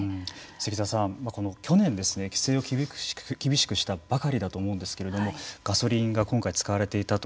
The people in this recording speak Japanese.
関澤さん、去年規制を厳しくしたばかりだと思うんですけれどもガソリンが今回使われていたと。